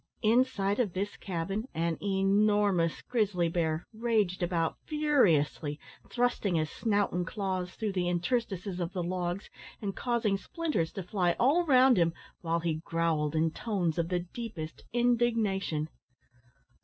Inside of this cabin an enormous grizzly bear raged about furiously, thrusting his snout and claws through the interstices of the logs, and causing splinters to fly all round him, while he growled in tones of the deepest indignation.